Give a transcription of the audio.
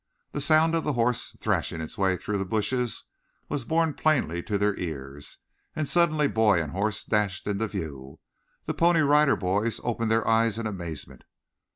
The sound of the horse threshing its way through the bushes was borne plainly to their ears, and suddenly boy and horse dashed into view. The Pony Rider Boys opened their eyes in amazement.